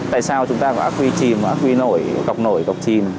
tại sao chúng ta có ác quy chìm và ác quy cọc nổi cọc chìm